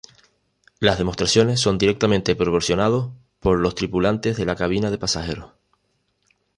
Las demostraciones son directamente proporcionados por los tripulantes de la cabina de pasajeros.